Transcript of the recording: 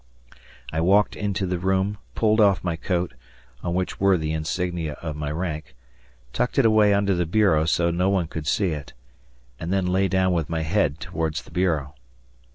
I walked into the room, pulled off my coat, on which were the insignia of my rank, tucked it away under the bureau so that no one could see it, and then lay down with my head towards the bureau.